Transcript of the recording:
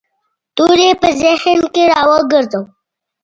توری په ذهن کې را وګرځاوه.